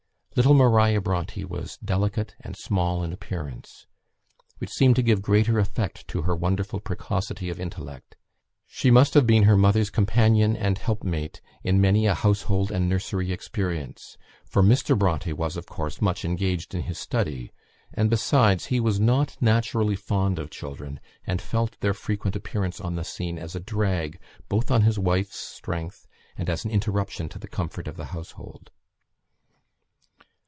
Little Maria Bronte was delicate and small in appearance, which seemed to give greater effect to her wonderful precocity of intellect. She must have been her mother's companion and helpmate in many a household and nursery experience, for Mr. Bronte was, of course, much engaged in his study; and besides, he was not naturally fond of children, and felt their frequent appearance on the scene as a drag both on his wife's strength, and as an interruption to the comfort of the household.